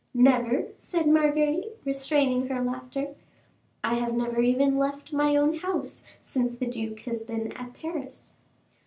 "Never?" said Marguerite, restraining her laughter. "I have never even left my own house since the duke has been at Paris."